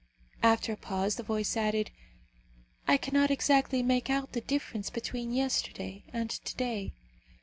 After a pause the voice added, "I cannot exactly make out the difference between yesterday and to day.